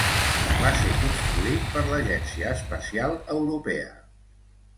Va ser construït per l'Agència Espacial Europea.